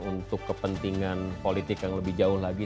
untuk kepentingan politik yang lebih jauh lagi